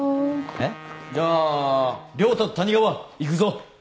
えっ？じゃあ良太と谷川行くぞ。